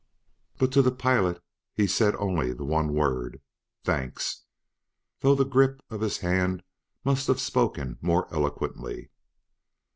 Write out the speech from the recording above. But to the pilot he said only the one word: "Thanks!" though the grip of his hand must have spoken more eloquently.